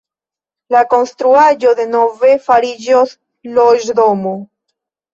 La konstruaĵo denove fariĝos loĝdomo.